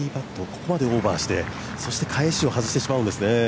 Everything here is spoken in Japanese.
ここまでオーバーして、そして返しを外してしまうんですね。